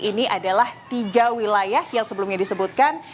ini adalah tiga wilayah yang sebelumnya disebutkan